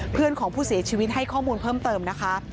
เพื่อนของผู้เสียชีวิตให้ข้อมูลเพิ่มเติมนะคะ